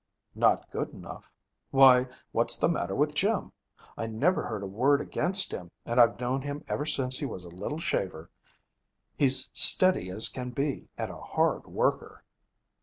'Not good enough? Why, what's the matter with Jim? I never heard a word against him and I've known him ever since he was a little shaver. He's steady as can be, and a hard worker.'